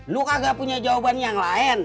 lu agak punya jawaban yang lain